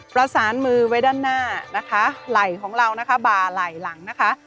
ประสานมือไว้ด้านหน้านะคะไหล่ของเรานะคะบ่าไหล่หลังนะคะ